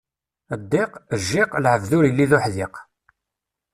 Ddiq, jjiq, lɛebd ur illi d uḥdiq.